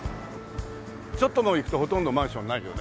ちょっともう行くとほとんどマンションないよね。